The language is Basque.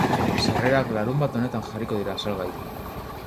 Sarrerak larunbat honetan jarriko dira salgai.